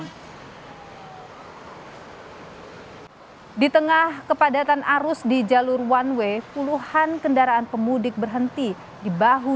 hai di tengah kepadatan arus di jalur one way puluhan kendaraan pemudik berhenti di bahu